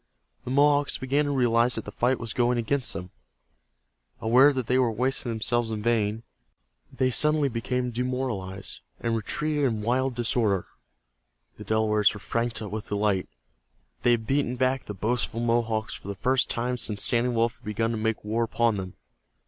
The Mohawks began to realize that the fight was going against them. Aware that they were wasting themselves in vain, they suddenly became demoralized, and retreated in wild disorder. The Delawares were frantic with delight. They had beaten back the boastful Mohawks for the first time since Standing Wolf had begun to make war upon them.